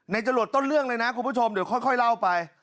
จรวดต้นเรื่องเลยนะคุณผู้ชมเดี๋ยวค่อยเล่าไป